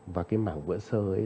và cái mảng vữa sơ ấy